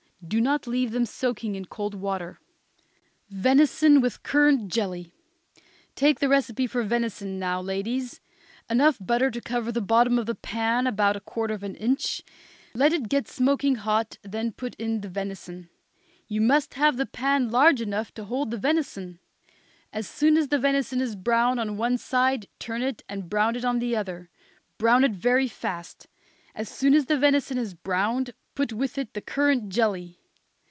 Do not leave them soaking in cold water. VENISON WITH CURRANT JELLY. Take the recipe for venison now, ladies. Enough butter to cover the bottom of the pan about a quarter of an inch. Let it get smoking hot, then put in the venison. You must have the pan large enough to hold the venison. As soon as the venison is brown on one side turn it and brown it on the other. Brown it very fast. As soon as the venison is browned put with it the currant jelly.